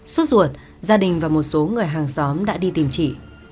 suốt ruột gia đình và một số người hàng xóm đã đi tìm trị